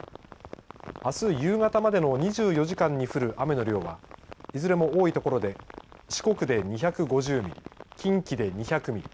あす夕方までの２４時間に降る雨の量はいずれも多い所で四国で２５０ミリ近畿で２００ミリ